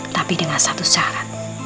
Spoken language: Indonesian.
tapi dengan satu syarat